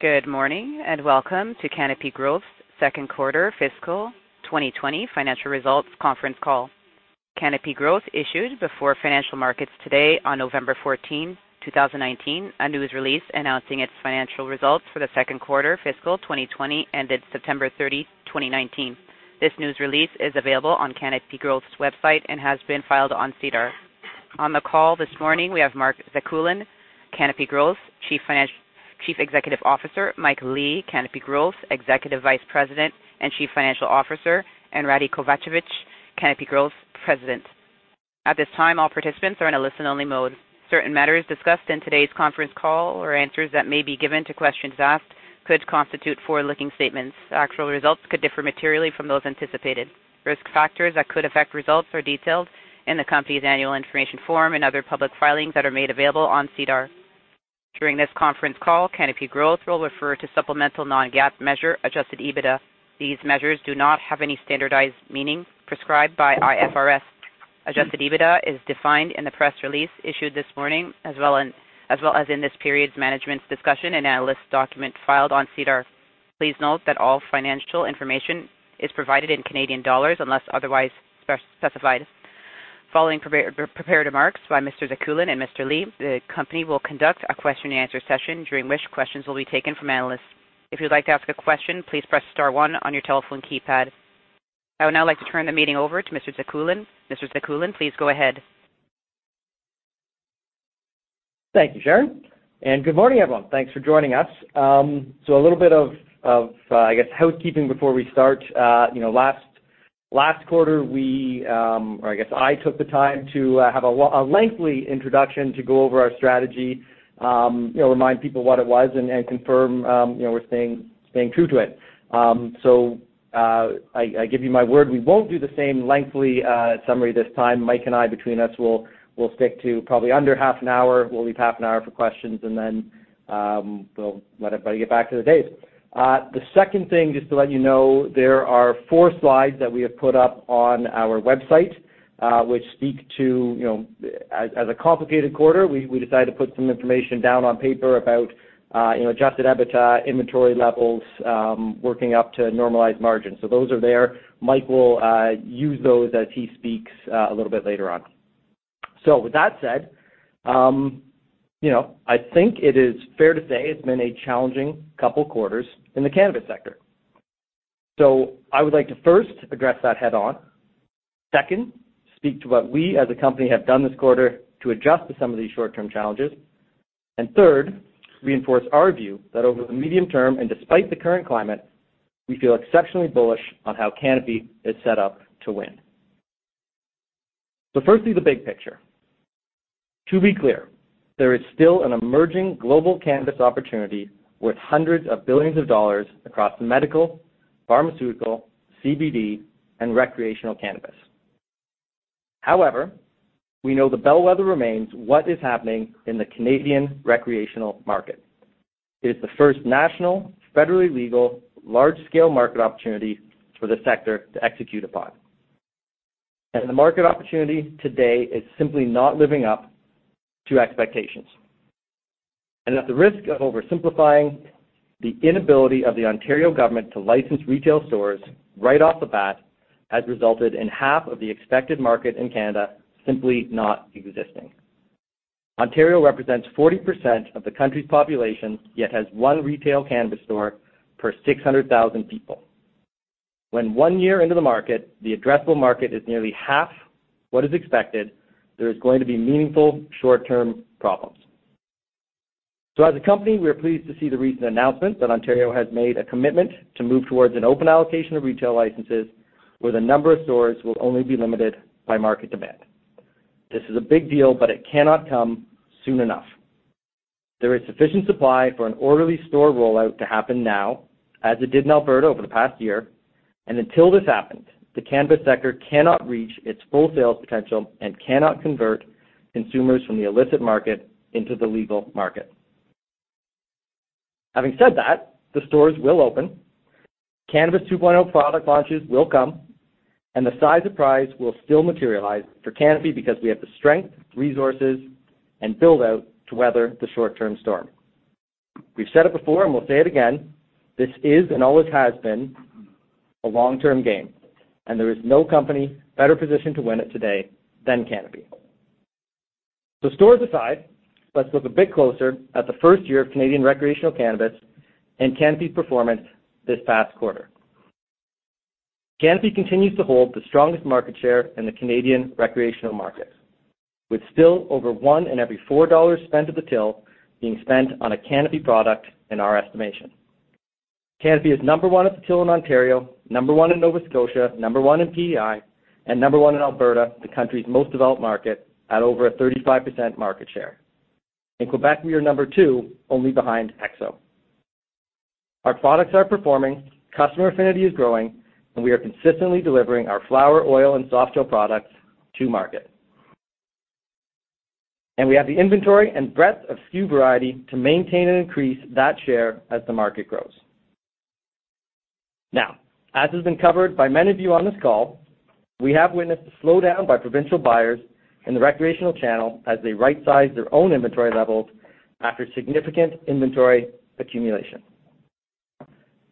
Good morning, welcome to Canopy Growth Second Quarter Fiscal 2020 Financial Results Conference Call. Canopy Growth issued before financial markets today on November 14, 2019, a news release announcing its financial results for the second quarter fiscal 2020, ended September 30, 2019. This news release is available on Canopy Growth's website and has been filed on SEDAR. On the call this morning, we have Mark Zekulin, Canopy Growth's Chief Executive Officer, Mike Lee, Canopy Growth's Executive Vice President and Chief Financial Officer, and Rade Kovacevic, Canopy Growth's President. At this time, all participants are in a listen only mode. Certain matters discussed in today's conference call or answers that may be given to questions asked could constitute forward-looking statements. Actual results could differ materially from those anticipated. Risk factors that could affect results are detailed in the company's annual information form and other public filings that are made available on SEDAR. During this conference call, Canopy Growth will refer to supplemental non-GAAP measure, adjusted EBITDA. These measures do not have any standardized meaning prescribed by IFRS. Adjusted EBITDA is defined in the press release issued this morning as well as in this period's management's discussion and analyst document filed on SEDAR. Please note that all financial information is provided in Canadian dollars unless otherwise specified. Following prepared remarks by Mr. Zekulin and Mr. Lee, the company will conduct a question and answer session, during which questions will be taken from analysts. If you'd like to ask a question, please press star one on your telephone keypad. I would now like to turn the meeting over to Mr. Zekulin. Mr. Zekulin, please go ahead. Thank you, Sharon. Good morning, everyone. Thanks for joining us. A little bit of, I guess, housekeeping before we start. Last quarter, I took the time to have a lengthy introduction to go over our strategy, remind people what it was, and confirm we're staying true to it. I give you my word, we won't do the same lengthy summary this time. Mike and I, between us, we'll stick to probably under half an hour. We'll leave half an hour for questions, and then we'll let everybody get back to their days. The second thing, just to let you know, there are four slides that we have put up on our website which speak to, as a complicated quarter, we decided to put some information down on paper about adjusted EBITDA, inventory levels, working up to normalized margins. Those are there. Mike will use those as he speaks a little bit later on. With that said, I think it is fair to say it's been a challenging couple quarters in the cannabis sector. I would like to first address that head on. Second, speak to what we as a company have done this quarter to address some of these short-term challenges. Third, reinforce our view that over the medium term and despite the current climate, we feel exceptionally bullish on how Canopy is set up to win. Firstly, the big picture. To be clear, there is still an emerging global cannabis opportunity worth hundreds of billions of dollars across medical, pharmaceutical, CBD, and recreational cannabis. We know the bellwether remains what is happening in the Canadian recreational market. It is the first national, federally legal, large-scale market opportunity for the sector to execute upon. The market opportunity today is simply not living up to expectations. At the risk of oversimplifying, the inability of the Ontario government to license retail stores right off the bat has resulted in half of the expected market in Canada simply not existing. Ontario represents 40% of the country's population, yet has one retail cannabis store per 600,000 people. When one year into the market, the addressable market is nearly half what is expected, there is going to be meaningful short-term problems. As a company, we are pleased to see the recent announcement that Ontario has made a commitment to move towards an open allocation of retail licenses where the number of stores will only be limited by market demand. This is a big deal, but it cannot come soon enough. There is sufficient supply for an orderly store rollout to happen now, as it did in Alberta over the past year. Until this happens, the cannabis sector cannot reach its full sales potential and cannot convert consumers from the illicit market into the legal market. Having said that, the stores will open, Cannabis 2.0 product launches will come, and the size of prize will still materialize for Canopy because we have the strength, resources, and build-out to weather the short-term storm. We've said it before and we'll say it again, this is and always has been a long-term game, and there is no company better positioned to win it today than Canopy. Stores aside, let's look a bit closer at the first year of Canadian recreational cannabis and Canopy's performance this past quarter. Canopy continues to hold the strongest market share in the Canadian recreational market, with still 1 in every 4 dollars spent at the till being spent on a Canopy product in our estimation. Canopy is number one at the till in Ontario, number one in Nova Scotia, number one in PEI, and number one in Alberta, the country's most developed market, at over a 35% market share. In Quebec, we are number two, only behind HEXO. Our products are performing, customer affinity is growing, and we are consistently delivering our flower, oil, and soft gel products to market. We have the inventory and breadth of SKU variety to maintain and increase that share as the market grows. As has been covered by many of you on this call, we have witnessed a slowdown by provincial buyers in the recreational channel as they right-size their own inventory levels after significant inventory accumulation.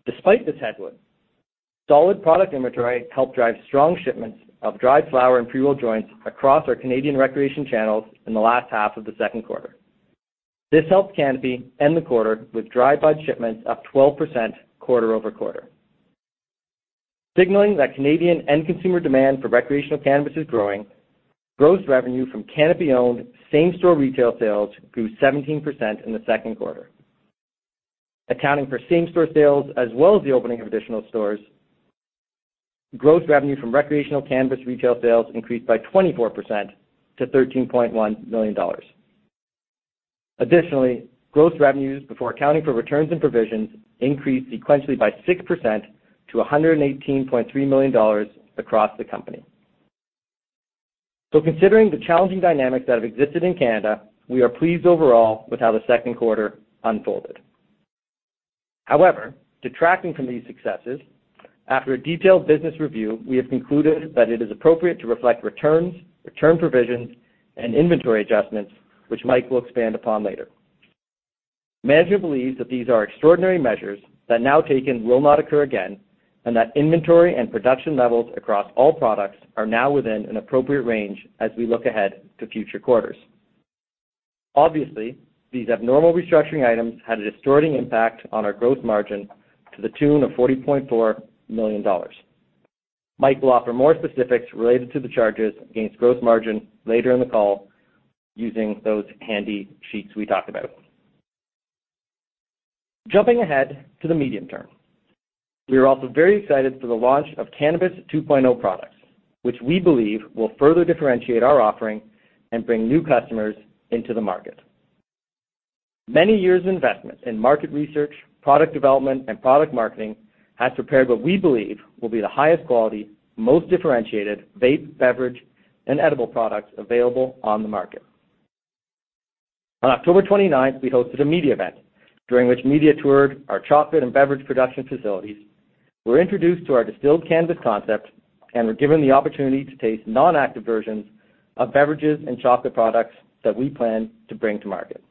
Despite this headwind, solid product inventory helped drive strong shipments of dried flower and pre-rolled joints across our Canadian recreation channels in the last half of the second quarter. This helped Canopy end the quarter with dry bud shipments up 12% quarter-over-quarter. Signaling that Canadian end consumer demand for recreational cannabis is growing, gross revenue from Canopy-owned same-store retail sales grew 17% in the second quarter. Accounting for same-store sales as well as the opening of additional stores, gross revenue from recreational cannabis retail sales increased by 24% to 13.1 million dollars. Additionally, gross revenues before accounting for returns and provisions increased sequentially by 6% to 118.3 million dollars across the company. Considering the challenging dynamics that have existed in Canada, we are pleased overall with how the second quarter unfolded. However, detracting from these successes, after a detailed business review, we have concluded that it is appropriate to reflect returns, return provisions, and inventory adjustments, which Mike will expand upon later. Management believes that these are extraordinary measures that now taken will not occur again, and that inventory and production levels across all products are now within an appropriate range as we look ahead to future quarters. Obviously, these abnormal restructuring items had a distorting impact on our gross margin to the tune of 40.4 million dollars. Mike will offer more specifics related to the charges against gross margin later in the call using those handy sheets we talked about. Jumping ahead to the medium term, we are also very excited for the launch of Cannabis 2.0 products, which we believe will further differentiate our offering and bring new customers into the market. Many years of investment in market research, product development, and product marketing has prepared what we believe will be the highest quality, most differentiated vape, beverage, and edible products available on the market. On October 29th, we hosted a media event during which media toured our chocolate and beverage production facilities, were introduced to our distilled cannabis concept, and were given the opportunity to taste non-active versions of beverages and chocolate products that we plan to bring to market.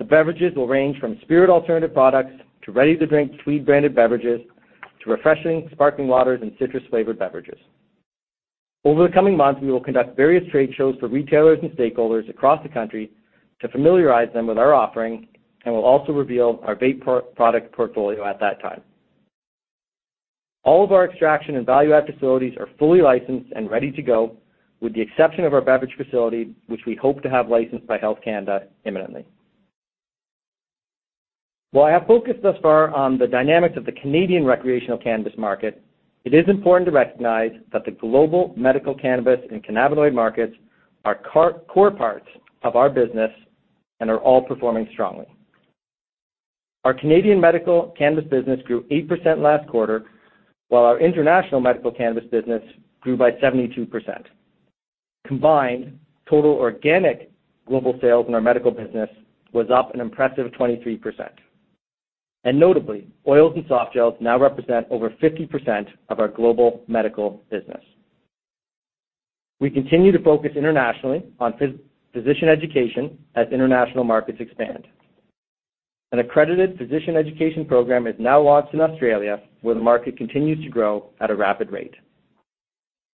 The beverages will range from spirit alternative products to ready-to-drink Tweed branded beverages to refreshing sparkling waters and citrus-flavored beverages. Over the coming months, we will conduct various trade shows for retailers and stakeholders across the country to familiarize them with our offering, and we'll also reveal our vape product portfolio at that time. All of our extraction and value-add facilities are fully licensed and ready to go, with the exception of our beverage facility, which we hope to have licensed by Health Canada imminently. While I have focused thus far on the dynamics of the Canadian recreational cannabis market, it is important to recognize that the global medical cannabis and cannabinoid markets are core parts of our business and are all performing strongly. Our Canadian medical cannabis business grew 8% last quarter, while our international medical cannabis business grew by 72%. Combined, total organic global sales in our medical business was up an impressive 23%. Notably, oils and softgels now represent over 50% of our global medical business. We continue to focus internationally on physician education as international markets expand. An accredited physician education program has now launched in Australia, where the market continues to grow at a rapid rate.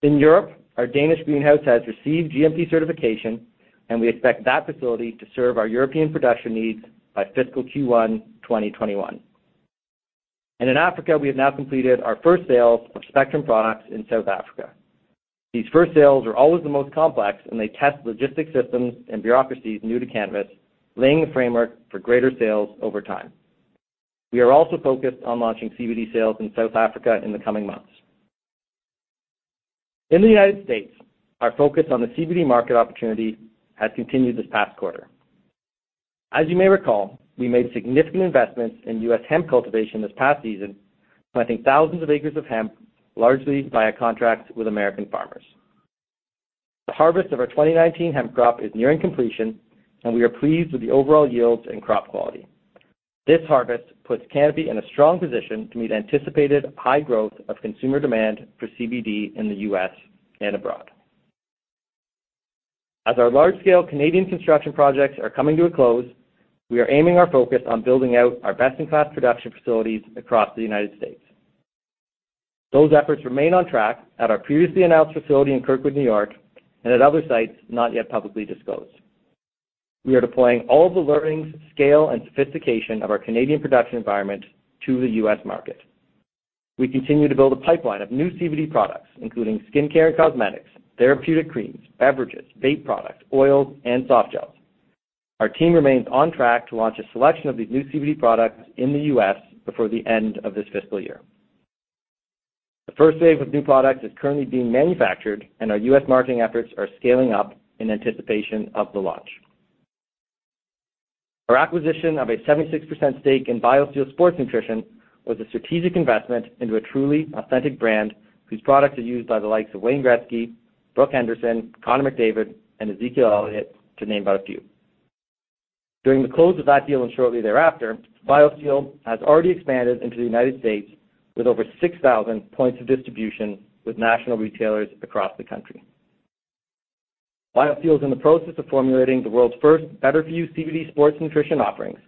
In Europe, our Danish greenhouse has received GMP certification, and we expect that facility to serve our European production needs by fiscal Q1 2021. In Africa, we have now completed our first sales of Spectrum products in South Africa. These first sales are always the most complex, and they test logistics systems and bureaucracies new to cannabis, laying the framework for greater sales over time. We are also focused on launching CBD sales in South Africa in the coming months. In the U.S., our focus on the CBD market opportunity has continued this past quarter. As you may recall, we made significant investments in U.S. hemp cultivation this past season, planting thousands of acres of hemp, largely via contracts with American farmers. The harvest of our 2019 hemp crop is nearing completion, and we are pleased with the overall yields and crop quality. This harvest puts Canopy in a strong position to meet anticipated high growth of consumer demand for CBD in the U.S. and abroad. As our large-scale Canadian construction projects are coming to a close, we are aiming our focus on building out our best-in-class production facilities across the United States. Those efforts remain on track at our previously announced facility in Kirkwood, New York, and at other sites not yet publicly disclosed. We are deploying all the learnings, scale, and sophistication of our Canadian production environment to the U.S. market. We continue to build a pipeline of new CBD products, including skincare and cosmetics, therapeutic creams, beverages, vape products, oils, and softgels. Our team remains on track to launch a selection of these new CBD products in the U.S. before the end of this fiscal year. The first wave of new products is currently being manufactured, and our U.S. marketing efforts are scaling up in anticipation of the launch. Our acquisition of a 76% stake in BioSteel Sports Nutrition was a strategic investment into a truly authentic brand whose products are used by the likes of Wayne Gretzky, Brooke Henderson, Connor McDavid, and Ezekiel Elliott, to name but a few. During the close of that deal and shortly thereafter, BioSteel has already expanded into the United States with over 6,000 points of distribution with national retailers across the country. BioSteel is in the process of formulating the world's first better-for-you CBD sports nutrition offerings,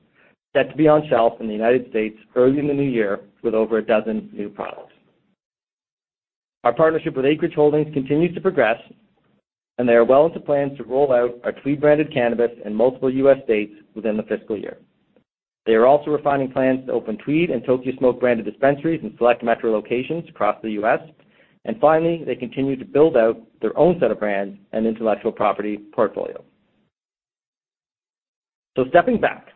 set to be on shelf in the U.S. early in the new year with over a dozen new products. Our partnership with Acreage Holdings continues to progress. They are well into plans to roll out our Tweed branded cannabis in multiple U.S. states within the fiscal year. They are also refining plans to open Tweed and Tokyo Smoke branded dispensaries in select metro locations across the U.S. Finally, they continue to build out their own set of brands and intellectual property portfolio. Stepping back,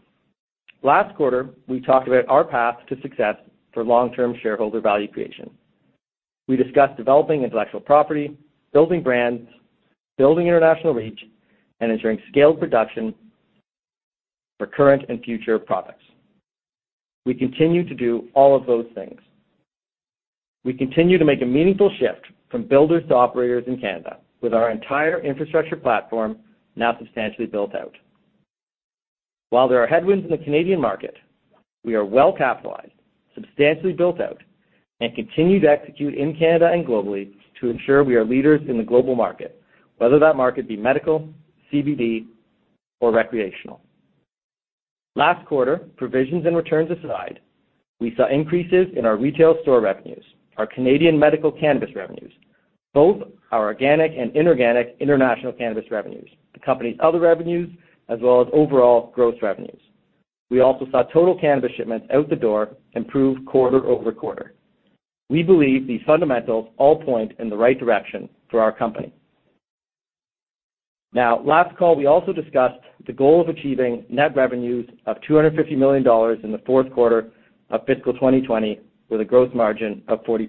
last quarter, we talked about our path to success for long-term shareholder value creation. We discussed developing intellectual property, building brands, building international reach, and ensuring scaled production for current and future products. We continue to do all of those things. We continue to make a meaningful shift from builders to operators in Canada, with our entire infrastructure platform now substantially built out. While there are headwinds in the Canadian market, we are well capitalized, substantially built out, and continue to execute in Canada and globally to ensure we are leaders in the global market, whether that market be medical, CBD, or recreational. Last quarter, provisions and returns aside, we saw increases in our retail store revenues, our Canadian medical cannabis revenues, both our organic and inorganic international cannabis revenues, the company's other revenues, as well as overall gross revenues. We also saw total cannabis shipments out the door improve quarter-over-quarter. We believe these fundamentals all point in the right direction for our company. Now, last call, we also discussed the goal of achieving net revenues of 250 million dollars in the fourth quarter of fiscal 2020 with a gross margin of 40%.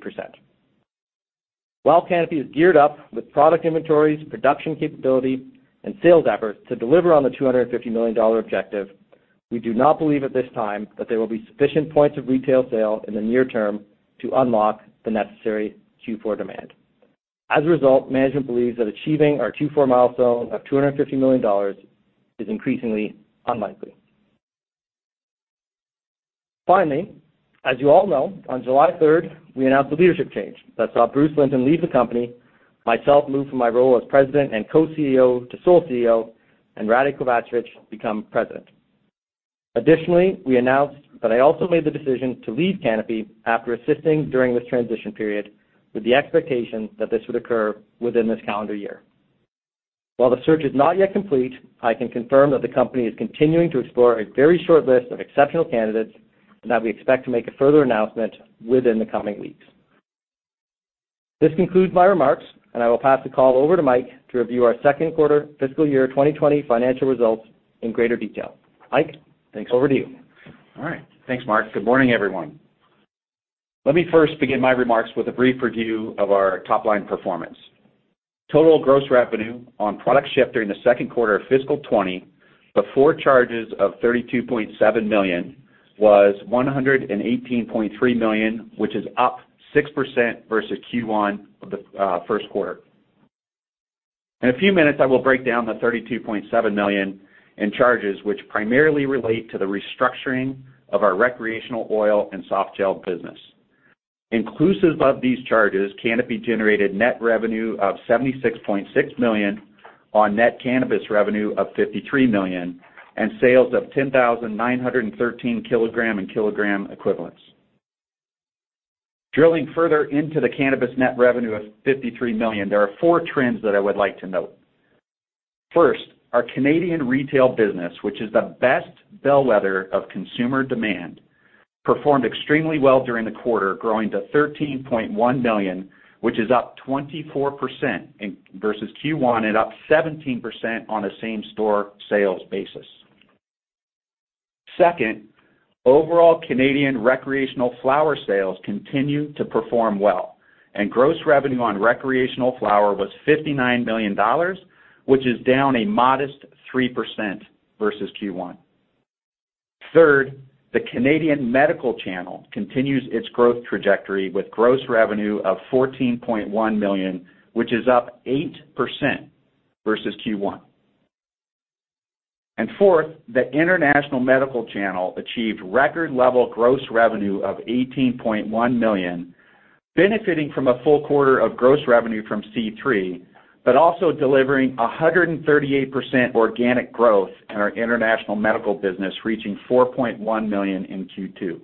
While Canopy is geared up with product inventories, production capability, and sales efforts to deliver on the 250 million dollar objective, we do not believe at this time that there will be sufficient points of retail sale in the near term to unlock the necessary Q4 demand. As a result, management believes that achieving our Q4 milestone of 250 million dollars is increasingly unlikely. Finally, as you all know, on July 3rd, we announced a leadership change that saw Bruce Linton leave the company, myself move from my role as President and Co-CEO to sole CEO, and Rade Kovacevic become President. Additionally, we announced that I also made the decision to leave Canopy after assisting during this transition period with the expectation that this would occur within this calendar year. While the search is not yet complete, I can confirm that the company is continuing to explore a very short list of exceptional candidates and that we expect to make a further announcement within the coming weeks. This concludes my remarks, and I will pass the call over to Mike to review our second quarter fiscal year 2020 financial results in greater detail. Mike, over to you. All right. Thanks, Mark. Good morning, everyone. Let me first begin my remarks with a brief review of our top-line performance. Total gross revenue on products shipped during the second quarter of fiscal 2020, before charges of 32.7 million, was 118.3 million, which is up 6% versus Q1 of the first quarter. In a few minutes, I will break down the 32.7 million in charges which primarily relate to the restructuring of our recreational oil and soft gel business. Inclusive of these charges, Canopy generated net revenue of 76.6 million on net cannabis revenue of 53 million and sales of 10,913 kilogram and kilogram equivalents. Drilling further into the cannabis net revenue of 53 million, there are four trends that I would like to note. First, our Canadian retail business, which is the best bellwether of consumer demand, performed extremely well during the quarter, growing to 13.1 million, which is up 24% versus Q1 and up 17% on a same-store sales basis. Second, overall Canadian recreational flower sales continue to perform well, gross revenue on recreational flower was 59 million dollars, which is down a modest 3% versus Q1. Third, the Canadian medical channel continues its growth trajectory with gross revenue of 14.1 million, which is up 8% versus Q1. Fourth, the international medical channel achieved record level gross revenue of 18.1 million, benefiting from a full quarter of gross revenue from C3, but also delivering 138% organic growth in our international medical business, reaching 4.1 million in Q2.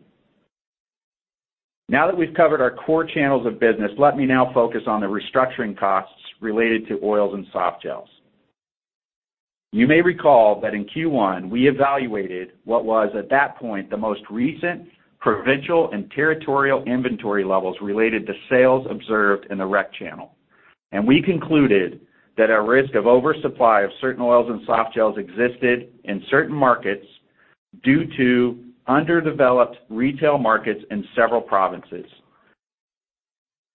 Now that we've covered our core channels of business, let me now focus on the restructuring costs related to oils and softgels. You may recall that in Q1, we evaluated what was, at that point, the most recent provincial and territorial inventory levels related to sales observed in the Rec channel. We concluded that a risk of oversupply of certain oils and softgels existed in certain markets due to underdeveloped retail markets in several provinces.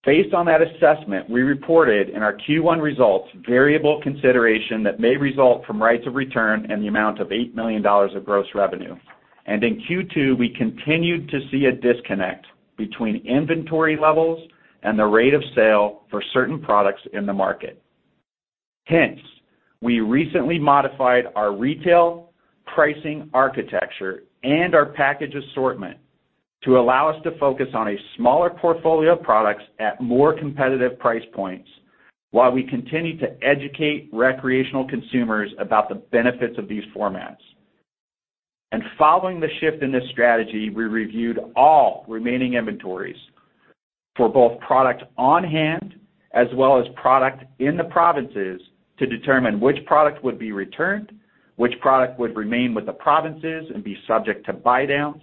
Based on that assessment, we reported in our Q1 results variable consideration that may result from rights of return in the amount of 8 million dollars of gross revenue. In Q2, we continued to see a disconnect between inventory levels and the rate of sale for certain products in the market. Hence, we recently modified our retail pricing architecture and our package assortment to allow us to focus on a smaller portfolio of products at more competitive price points while we continue to educate recreational consumers about the benefits of these formats. Following the shift in this strategy, we reviewed all remaining inventories for both product on hand as well as product in the provinces to determine which product would be returned, which product would remain with the provinces and be subject to buy downs,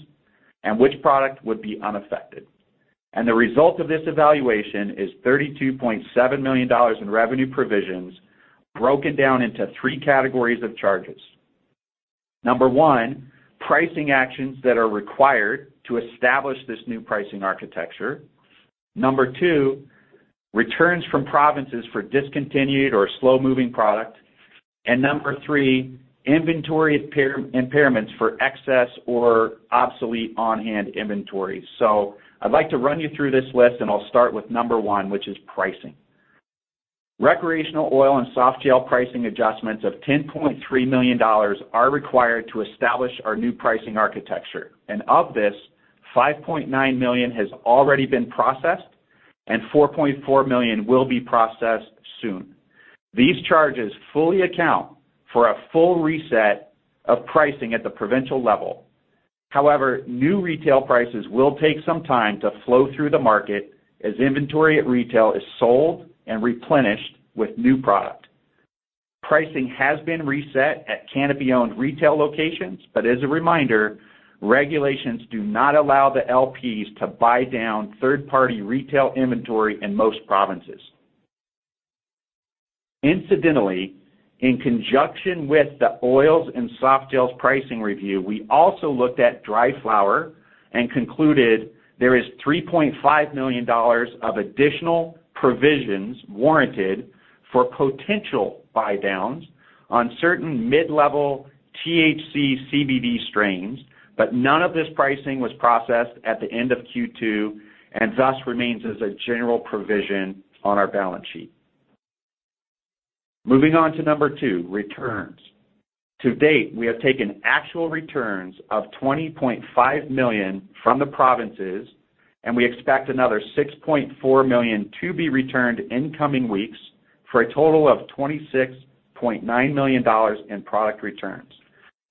and which product would be unaffected. The result of this evaluation is 32.7 million dollars in revenue provisions broken down into three categories of charges. Number one, pricing actions that are required to establish this new pricing architecture. Number two, returns from provinces for discontinued or slow-moving product. Number three, inventory impairments for excess or obsolete on-hand inventory. I'd like to run you through this list, and I'll start with number one, which is pricing. Recreational oil and softgel pricing adjustments of 10.3 million dollars are required to establish our new pricing architecture. Of this, 5.9 million has already been processed and 4.4 million will be processed soon. These charges fully account for a full reset of pricing at the provincial level. However, new retail prices will take some time to flow through the market as inventory at retail is sold and replenished with new product. Pricing has been reset at Canopy-owned retail locations, but as a reminder, regulations do not allow the LPs to buy down third-party retail inventory in most provinces. Incidentally, in conjunction with the oils and softgels pricing review, we also looked at dry flower and concluded there is 3.5 million dollars of additional provisions warranted for potential buy downs on certain mid-level THC CBD strains, but none of this pricing was processed at the end of Q2 and thus remains as a general provision on our balance sheet. Moving on to number 2, returns. To date, we have taken actual returns of 20.5 million from the provinces, and we expect another 6.4 million to be returned in coming weeks for a total of 26.9 million dollars in product returns.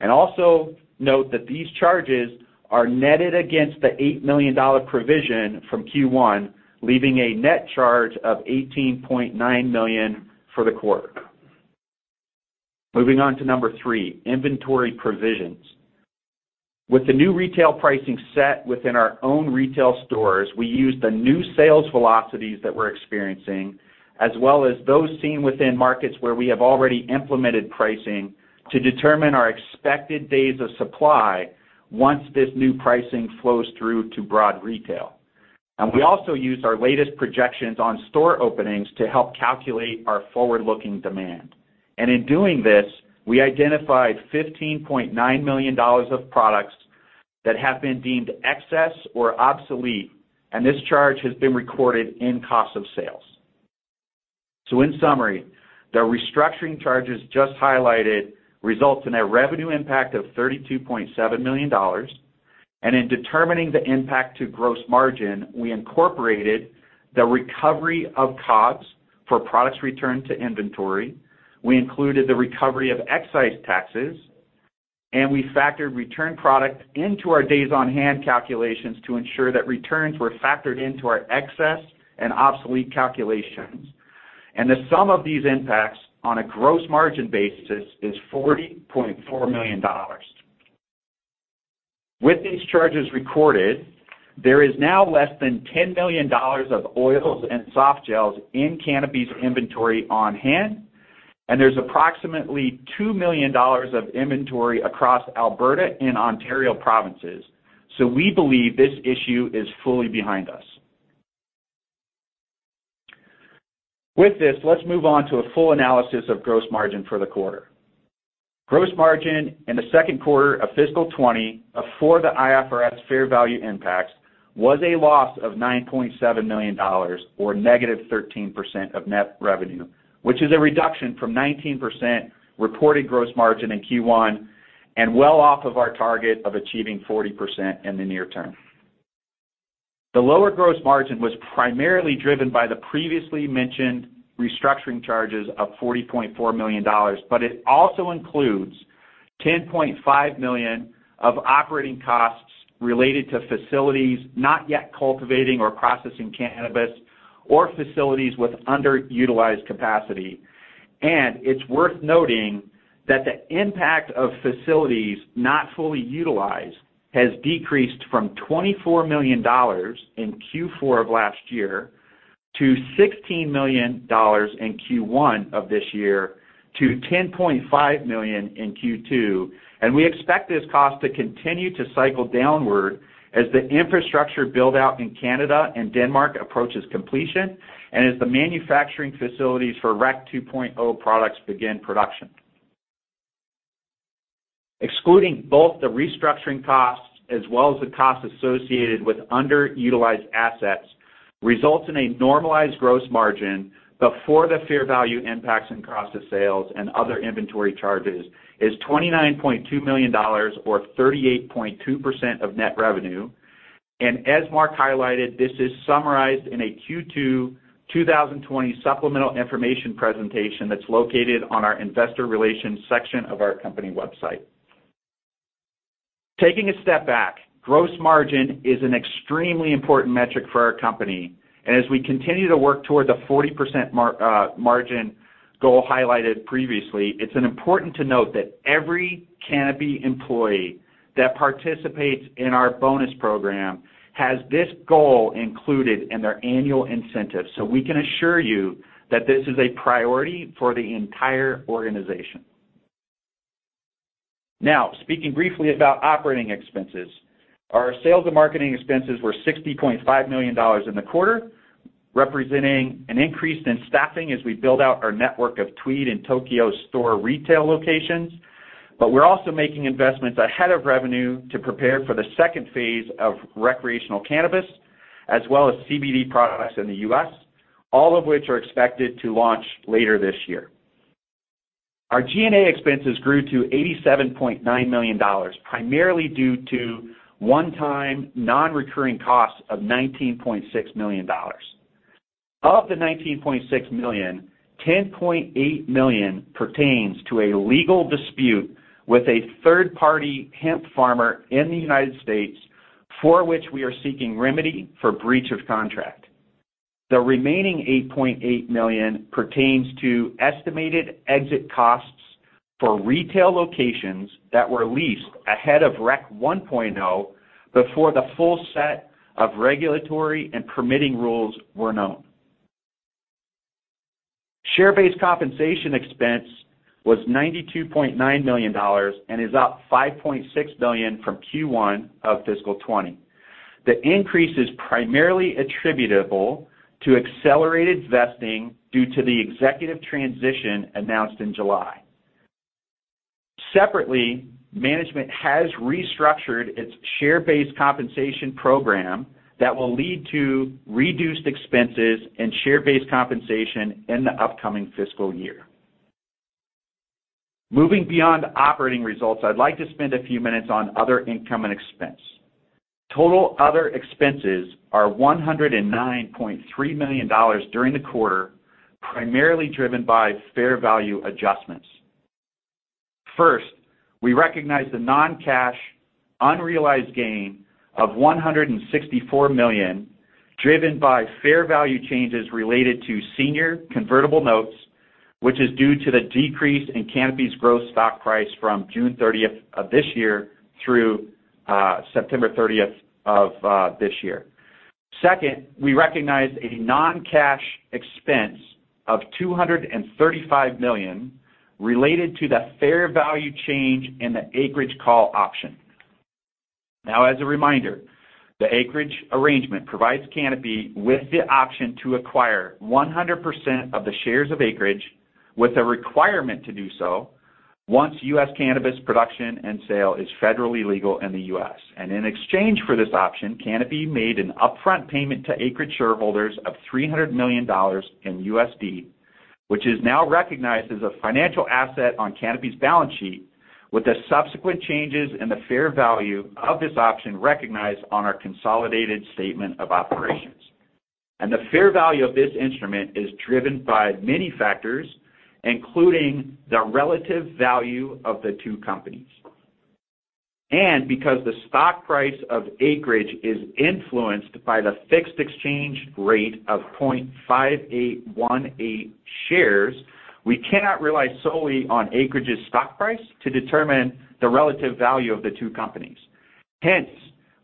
Also note that these charges are netted against the 8 million dollar provision from Q1, leaving a net charge of 18.9 million for the quarter. Moving on to number three, inventory provisions. With the new retail pricing set within our own retail stores, we used the new sales velocities that we're experiencing as well as those seen within markets where we have already implemented pricing to determine our expected days of supply once this new pricing flows through to broad retail. We also used our latest projections on store openings to help calculate our forward-looking demand. In doing this, we identified 15.9 million dollars of products that have been deemed excess or obsolete, and this charge has been recorded in cost of sales. In summary, the restructuring charges just highlighted result in a revenue impact of 32.7 million dollars. In determining the impact to gross margin, we incorporated the recovery of COGS for products returned to inventory, we included the recovery of excise taxes, and we factored returned product into our days on hand calculations to ensure that returns were factored into our excess and obsolete calculations. The sum of these impacts on a gross margin basis is 40.4 million dollars. With these charges recorded, there is now less than 10 million dollars of oils and softgels in Canopy's inventory on hand, and there's approximately 2 million dollars of inventory across Alberta and Ontario provinces. We believe this issue is fully behind us. With this, let's move on to a full analysis of gross margin for the quarter. Gross margin in the second quarter of fiscal 2020, before the IFRS fair value impacts, was a loss of 9.7 million dollars or -13% of net revenue, which is a reduction from 19% reported gross margin in Q1 and well off of our target of achieving 40% in the near term. The lower gross margin was primarily driven by the previously mentioned restructuring charges of 40.4 million dollars. It also includes 10.5 million of operating costs related to facilities not yet cultivating or processing cannabis or facilities with underutilized capacity. It's worth noting that the impact of facilities not fully utilized has decreased from 24 million dollars in Q4 of last year to 16 million dollars in Q1 of this year to 10.5 million in Q2. We expect this cost to continue to cycle downward as the infrastructure build-out in Canada and Denmark approaches completion and as the manufacturing facilities for Rec 2.0 products begin production. Excluding both the restructuring costs as well as the costs associated with underutilized assets, results in a normalized gross margin before the fair value impacts and cost of sales and other inventory charges is 29.2 million dollars, or 38.2% of net revenue. As Mark highlighted, this is summarized in a Q2 2020 supplemental information presentation that's located on our Investor Relations section of our company website. Taking a step back, gross margin is an extremely important metric for our company. As we continue to work toward the 40% margin goal highlighted previously, it's an important to note that every Canopy employee that participates in our bonus program has this goal included in their annual incentives. We can assure you that this is a priority for the entire organization. Speaking briefly about operating expenses. Our sales and marketing expenses were 60.5 million dollars in the quarter, representing an increase in staffing as we build out our network of Tweed and Tokyo Smoke retail locations. We're also making investments ahead of revenue to prepare for the second phase of recreational cannabis, as well as CBD products in the U.S., all of which are expected to launch later this year. Our G&A expenses grew to 87.9 million dollars, primarily due to one-time non-recurring costs of 19.6 million dollars. Of the 19.6 million, 10.8 million pertains to a legal dispute with a third-party hemp farmer in the United States, for which we are seeking remedy for breach of contract. The remaining 8.8 million pertains to estimated exit costs for retail locations that were leased ahead of Rec 1.0 before the full set of regulatory and permitting rules were known. Share-based compensation expense was 92.9 million dollars and is up 5.6 million from Q1 of fiscal 2020. The increase is primarily attributable to accelerated vesting due to the executive transition announced in July. Separately, management has restructured its share-based compensation program that will lead to reduced expenses and share-based compensation in the upcoming fiscal year. Moving beyond operating results, I'd like to spend a few minutes on other income and expense. Total other expenses are 109.3 million dollars during the quarter, primarily driven by fair value adjustments. First, we recognize the non-cash unrealized gain of 164 million, driven by fair value changes related to senior convertible notes, which is due to the decrease in Canopy's stock price from June 30th of this year through September 30th of this year. Second, we recognize a non-cash expense of 235 million related to the fair value change in the Acreage call option. As a reminder, the Acreage arrangement provides Canopy with the option to acquire 100% of the shares of Acreage with a requirement to do so once U.S. cannabis production and sale is federally legal in the U.S. In exchange for this option, Canopy made an upfront payment to Acreage shareholders of $300 million in USD, which is now recognized as a financial asset on Canopy's balance sheet, with the subsequent changes in the fair value of this option recognized on our consolidated statement of operations. The fair value of this instrument is driven by many factors, including the relative value of the two companies. Because the stock price of Acreage is influenced by the fixed exchange rate of 0.5818 shares, we cannot rely solely on Acreage's stock price to determine the relative value of the two companies. Hence,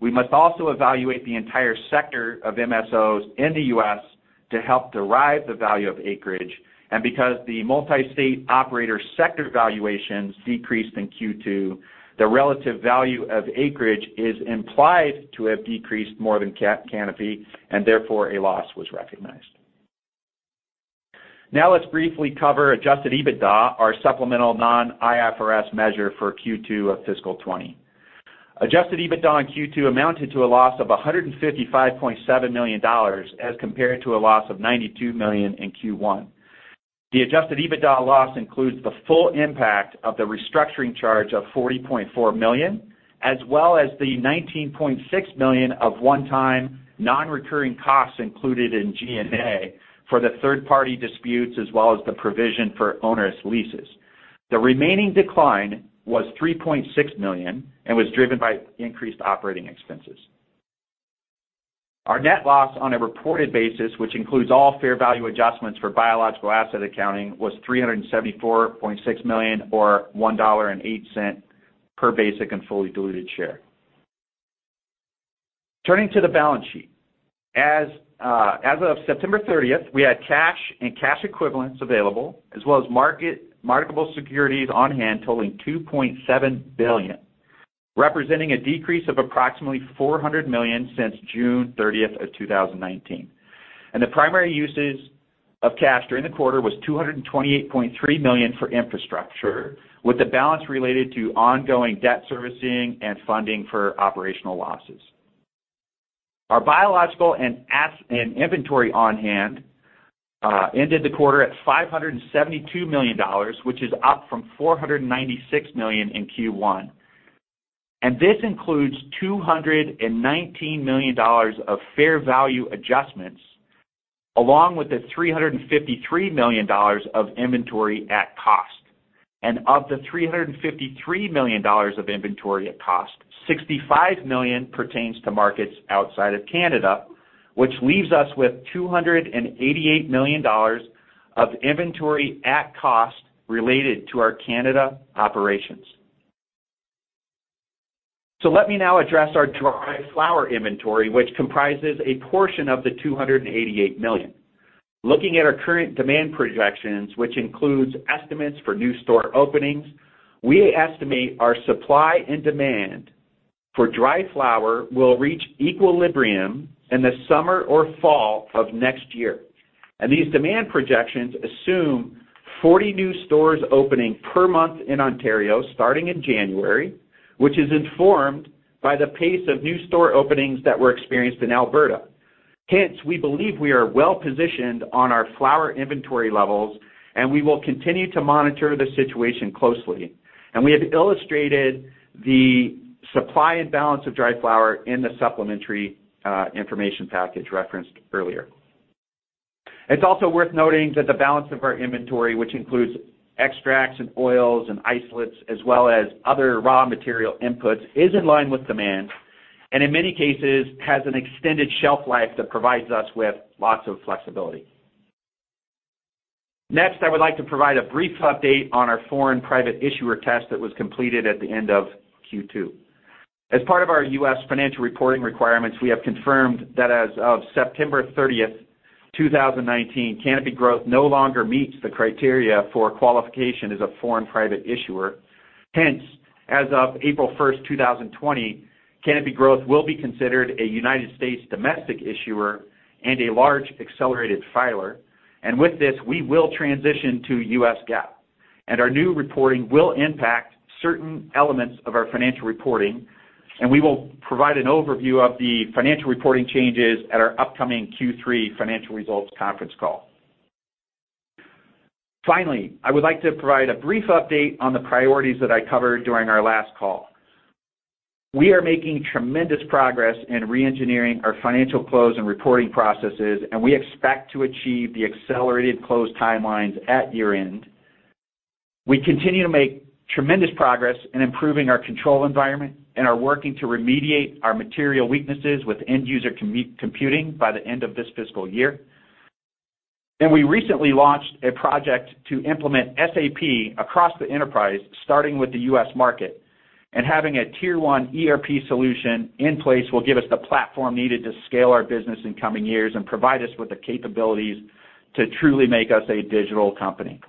we must also evaluate the entire sector of MSOs in the U.S. to help derive the value of Acreage. Because the multi-state operator sector valuations decreased in Q2, the relative value of Acreage is implied to have decreased more than Canopy, and therefore, a loss was recognized. Now let's briefly cover adjusted EBITDA, our supplemental non-IFRS measure for Q2 of fiscal 2020. Adjusted EBITDA in Q2 amounted to a loss of 155.7 million dollars as compared to a loss of 92 million in Q1. The adjusted EBITDA loss includes the full impact of the restructuring charge of 40.4 million, as well as the 19.6 million of one-time non-recurring costs included in G&A for the third-party disputes as well as the provision for onerous leases. The remaining decline was 3.6 million and was driven by increased operating expenses. Our net loss on a reported basis, which includes all fair value adjustments for biological asset accounting, was 374.6 million or 1.08 dollar per basic and fully diluted share. Turning to the balance sheet. As of September 30th, we had cash and cash equivalents available, as well as marketable securities on hand totaling 2.7 billion. This represents a decrease of approximately 400 million since June 30th of 2019. The primary uses of cash during the quarter was 228.3 million for infrastructure, with the balance related to ongoing debt servicing and funding for operational losses. Our biological and inventory on-hand ended the quarter at 572 million dollars, which is up from 496 million in Q1. This includes 219 million dollars of fair value adjustments, along with the 353 million dollars of inventory at cost. Of the CAD 353 million of inventory at cost, 65 million pertains to markets outside of Canada, which leaves us with 288 million dollars of inventory at cost related to our Canada operations. Let me now address our dry flower inventory, which comprises a portion of the 288 million. Looking at our current demand projections, which includes estimates for new store openings, we estimate our supply and demand for dry flower will reach equilibrium in the summer or fall of next year. These demand projections assume 40 new stores opening per month in Ontario starting in January, which is informed by the pace of new store openings that were experienced in Alberta. Hence, we believe we are well-positioned on our flower inventory levels, and we will continue to monitor the situation closely. We have illustrated the supply and balance of dry flower in the supplementary information package referenced earlier. It's also worth noting that the balance of our inventory, which includes extracts and oils and isolates, as well as other raw material inputs, is in line with demand. In many cases, has an extended shelf life that provides us with lots of flexibility. Next, I would like to provide a brief update on our foreign private issuer test that was completed at the end of Q2. As part of our U.S. financial reporting requirements, we have confirmed that as of September 30th, 2019, Canopy Growth no longer meets the criteria for qualification as a foreign private issuer. Hence, as of April 1st, 2020, Canopy Growth will be considered a United States domestic issuer and a large accelerated filer. With this, we will transition to U.S. GAAP. Our new reporting will impact certain elements of our financial reporting, and we will provide an overview of the financial reporting changes at our upcoming Q3 financial results conference call. Finally, I would like to provide a brief update on the priorities that I covered during our last call. We are making tremendous progress in re-engineering our financial close and reporting processes, and we expect to achieve the accelerated close timelines at year-end. We continue to make tremendous progress in improving our control environment and are working to remediate our material weaknesses with end user computing by the end of this fiscal year. We recently launched a project to implement SAP across the enterprise, starting with the U.S. market. Having a tier 1 ERP solution in place will give us the platform needed to scale our business in coming years and provide us with the capabilities to truly make us a digital company.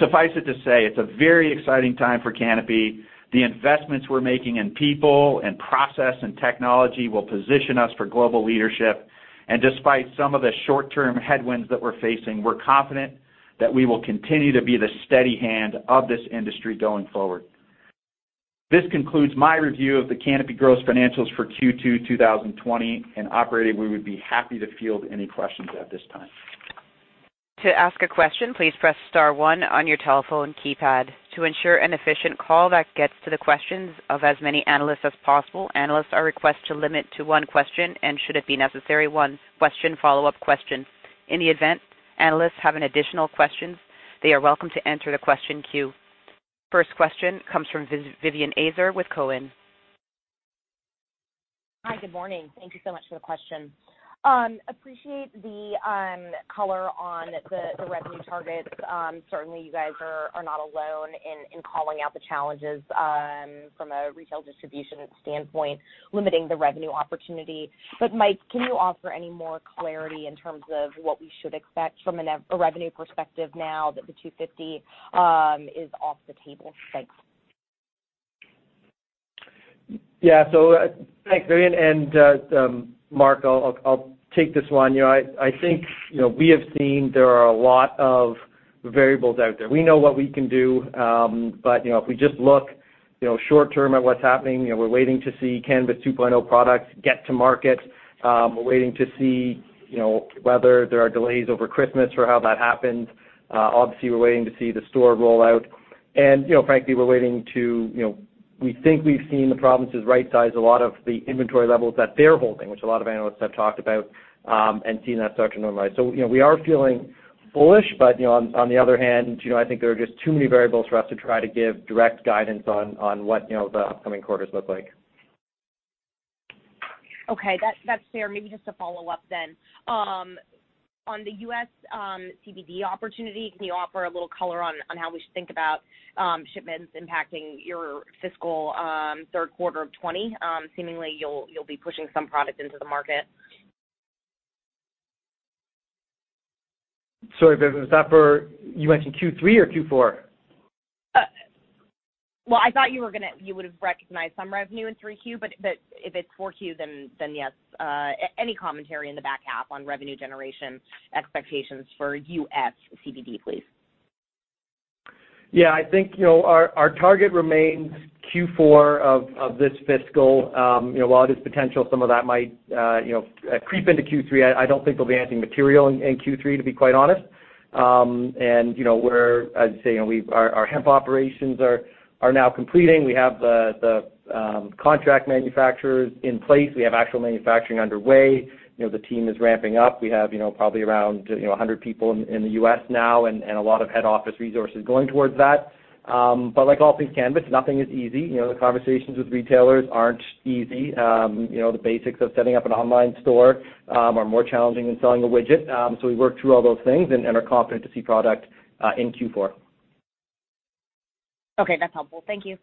Suffice it to say, it's a very exciting time for Canopy. The investments we're making in people and process and technology will position us for global leadership. Despite some of the short-term headwinds that we're facing, we're confident that we will continue to be the steady hand of this industry going forward. This concludes my review of the Canopy Growth financials for Q2 2020, and operator, we would be happy to field any questions at this time. To ask a question, please press star one on your telephone keypad. To ensure an efficient call that gets to the questions of as many analysts as possible, analysts are requested to limit to one question, and should it be necessary, one follow-up question. In the event analysts have an additional question, they are welcome to enter the question queue. First question comes from Vivien Azer with Cowen. Hi. Good morning. Thank you so much for the question. Appreciate the color on the revenue targets. Certainly, you guys are not alone in calling out the challenges from a retail distribution standpoint, limiting the revenue opportunity. Mike, can you offer any more clarity in terms of what we should expect from a revenue perspective now that the 250 is off the table? Thanks. Thanks, Vivien and Mark. I'll take this one. I think we have seen there are a lot of variables out there. We know what we can do, if we just look short-term at what's happening, we're waiting to see Cannabis 2.0 products get to market. We're waiting to see whether there are delays over Christmas or how that happens. Obviously, we're waiting to see the store rollout. Frankly, we think we've seen the provinces rightsize a lot of the inventory levels that they're holding, which a lot of analysts have talked about, and seen that start to normalize. We are feeling bullish, on the other hand, I think there are just too many variables for us to try to give direct guidance on what the upcoming quarters look like. Okay. That's fair. Maybe just a follow-up. On the U.S. CBD opportunity, can you offer a little color on how we should think about shipments impacting your fiscal third quarter of 2020? Seemingly, you'll be pushing some product into the market. Sorry, you mentioned Q3 or Q4? Well, I thought you would have recognized some revenue in 3Q, but if it's 4Q, then yes. Any commentary in the back half on revenue generation expectations for U.S. CBD, please. Yeah, I think, our target remains Q4 of this fiscal. While there's potential some of that might creep into Q3, I don't think there'll be anything material in Q3, to be quite honest. I'd say our hemp operations are now completing. We have the contract manufacturers in place. We have actual manufacturing underway. The team is ramping up. We have probably around 100 people in the U.S. now and a lot of head office resources going towards that. Like all things Canopy, nothing is easy. The conversations with retailers aren't easy. The basics of setting up an online store are more challenging than selling a widget. We work through all those things and are confident to see product in Q4. Okay, that's helpful. Thank you.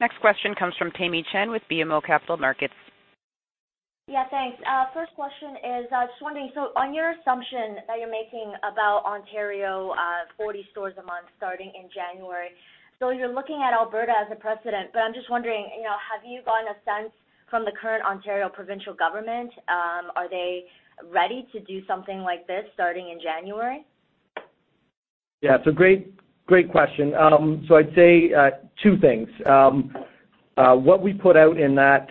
Next question comes from Tamy Chen with BMO Capital Markets. Yeah, thanks. First question is, just wondering, on your assumption that you're making about Ontario, 40 stores a month starting in January. You're looking at Alberta as a precedent, I'm just wondering, have you gotten a sense from the current Ontario provincial government, are they ready to do something like this starting in January? Yeah, it's a great question. I'd say two things. What we put out in that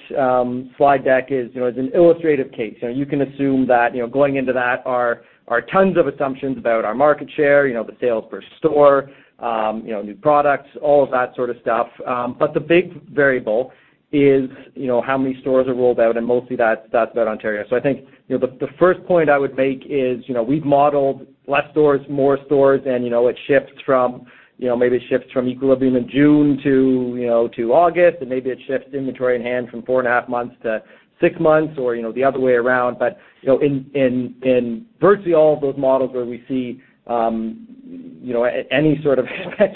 slide deck is an illustrative case. You can assume that going into that are tons of assumptions about our market share, the sales per store, new products, all of that sort of stuff. The big variable is how many stores are rolled out, and mostly that's about Ontario. I think the first point I would make is, we've modeled less stores, more stores, and it maybe shifts from equilibrium in June to August, and maybe it shifts inventory in hand from four and a half months to six months or the other way around. In virtually all of those models where we see any sort of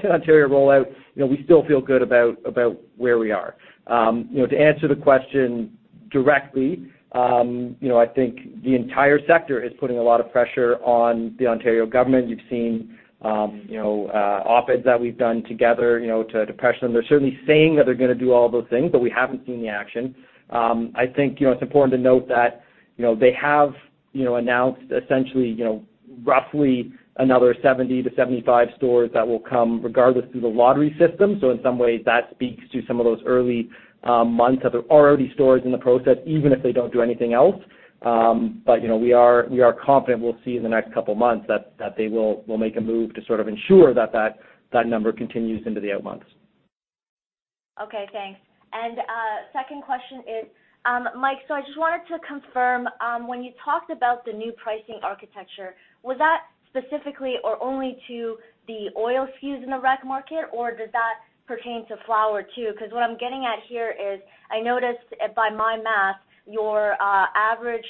Ontario rollout, we still feel good about where we are. To answer the question directly, I think the entire sector is putting a lot of pressure on the Ontario government. You've seen op-eds that we've done together to pressure them. They're certainly saying that they're going to do all those things, we haven't seen the action. I think it's important to note that they have announced essentially, roughly another 70-75 stores that will come regardless through the lottery system. In some ways, that speaks to some of those early months that there are already stores in the process, even if they don't do anything else. We are confident we'll see in the next couple of months that they will make a move to sort of ensure that that number continues into the out months. Okay, thanks. Second question is, Mike, I just wanted to confirm, when you talked about the new pricing architecture, was that specifically or only to the oil SKUs in the rec market, or does that pertain to flower, too? What I'm getting at here is I noticed by my math, your average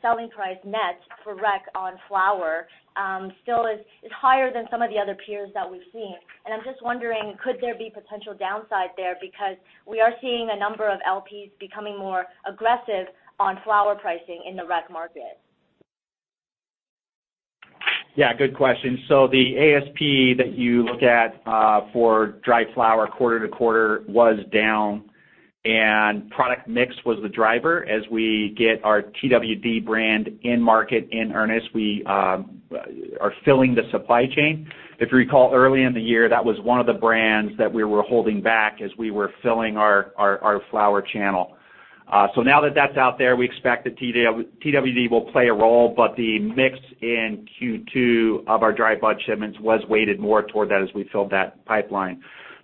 selling price net for rec on flower still is higher than some of the other peers that we've seen. I'm just wondering, could there be potential downside there because we are seeing a number of LPs becoming more aggressive on flower pricing in the rec market. Yeah, good question. The ASP that you looked at for dried flower quarter-to-quarter was down, and product mix was the driver. As we get our TWD brand in market in earnest, we are filling the supply chain. If you recall, early in the year, that was one of the brands that we were holding back as we were filling our flower channel. Now that that's out there, we expect that TWD will play a role, but the mix in Q2 of our dry bud shipments was weighted more toward that as we filled that pipeline.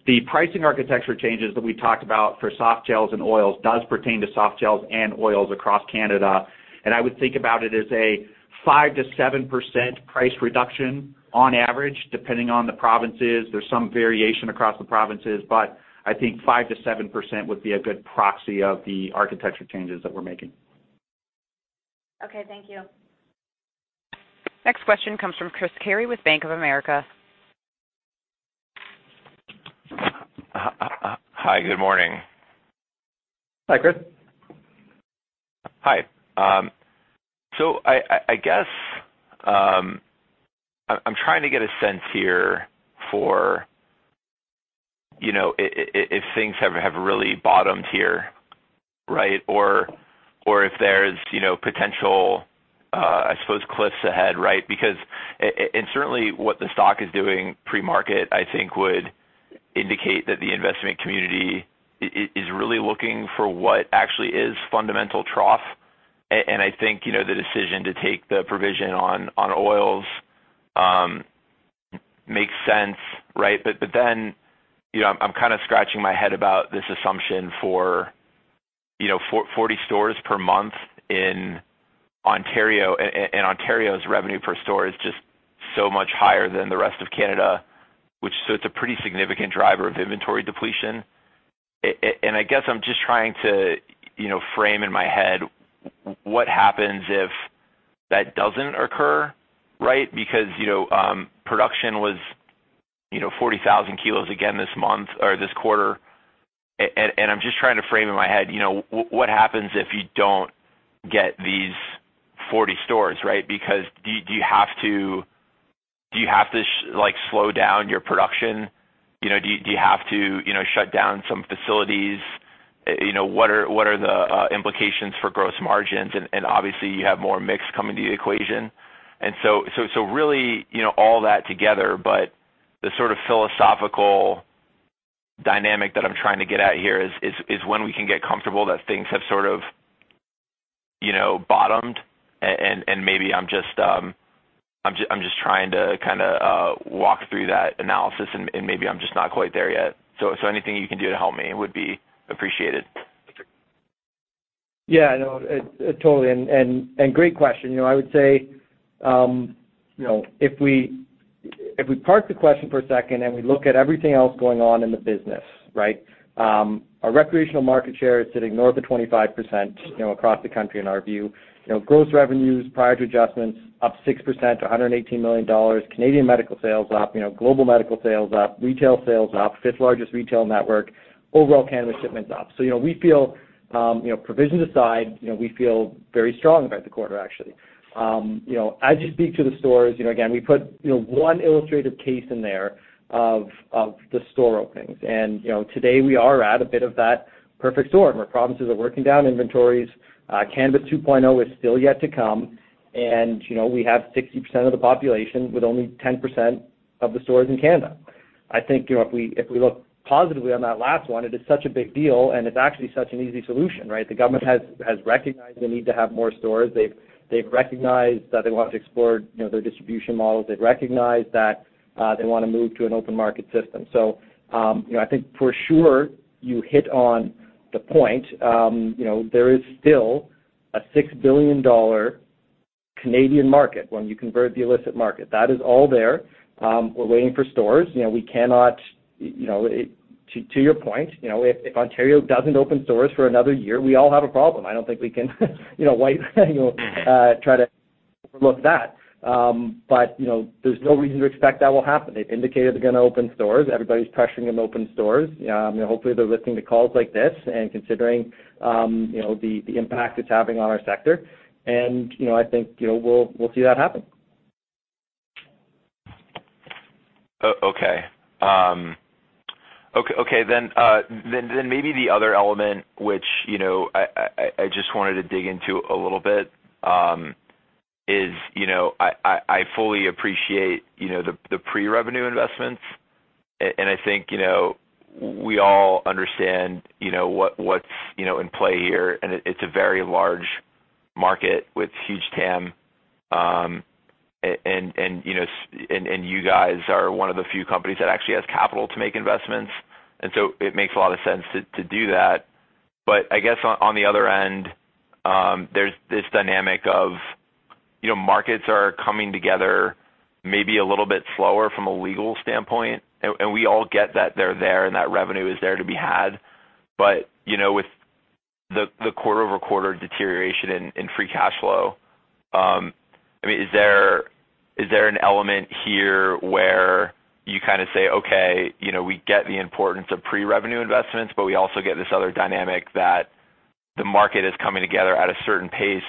The pricing architecture changes that we talked about for softgels and oils does pertain to softgels and oils across Canada. I would think about it as a 5%-7% price reduction on average, depending on the provinces. There's some variation across the provinces, but I think 5%-7% would be a good proxy of the architecture changes that we're making. Okay, thank you. Next question comes from Chris Carey with Bank of America. Hi. Good morning. Hi, Chris. Hi. I guess, I'm trying to get a sense here for if things have really bottomed here, right? If there's potential, I suppose cliffs ahead, right? Certainly what the stock is doing pre-market, I think would indicate that the investment community is really looking for what actually is fundamental trough. I think, the decision to take the provision on oils makes sense, right? I'm kind of scratching my head about this assumption for 40 stores per month in Ontario. Ontario's revenue per store is just so much higher than the rest of Canada, it's a pretty significant driver of inventory depletion. I guess I'm just trying to frame in my head what happens if that doesn't occur, right? Production was 40,000 kilos again this month or this quarter. I'm just trying to frame in my head, what happens if you don't get these 40 stores, right? Do you have to slow down your production? Do you have to shut down some facilities? What are the implications for gross margins? Obviously, you have more mix coming to the equation. Really, all that together, but the sort of philosophical dynamic that I'm trying to get at here is when we can get comfortable that things have sort of bottomed and maybe I'm just trying to kind of walk through that analysis, and maybe I'm just not quite there yet. Anything you can do to help me would be appreciated. Yeah, no, totally. Great question. I would say if we park the question for a second and we look at everything else going on in the business, right? Our recreational market share is sitting north of 25% across the country, in our view. Gross revenues prior to adjustments, up 6% to 118 million Canadian dollars. Canadian medical sales up, global medical sales up, retail sales up, fifth largest retail network, overall cannabis shipments up. Provision aside, we feel very strong about the quarter, actually. As you speak to the stores, again, we put one illustrative case in there of the store openings. Today we are at a bit of that perfect storm, where provinces are working down inventories. Cannabis 2.0 is still yet to come, and we have 60% of the population with only 10% of the stores in Canada. I think, if we look positively on that last one, it is such a big deal and it's actually such an easy solution, right? The government has recognized the need to have more stores. They've recognized that they want to explore their distribution models. They've recognized that they want to move to an open market system. I think for sure, you hit on the point. There is still a 6 billion Canadian dollars market when you convert the illicit market. That is all there. We're waiting for stores. To your point, if Ontario doesn't open stores for another year, we all have a problem. I don't think we can try to overlook that. There's no reason to expect that will happen. They've indicated they're going to open stores. Everybody's pressuring them to open stores. Hopefully, they're listening to calls like this and considering the impact it's having on our sector. I think we'll see that happen. Okay. Maybe the other element which I just wanted to dig into a little bit is, I fully appreciate the pre-revenue investments. I think we all understand what's in play here, and it's a very large market with huge TAM. You guys are one of the few companies that actually has capital to make investments. It makes a lot of sense to do that. I guess on the other end, there's this dynamic of markets are coming together maybe a little bit slower from a legal standpoint, and we all get that they're there and that revenue is there to be had. With the quarter-over-quarter deterioration in free cash flow, is there an element here where you kind of say, "Okay, we get the importance of pre-revenue investments, but we also get this other dynamic that the market is coming together at a certain pace,